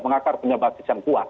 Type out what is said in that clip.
mengakar punya basis yang kuat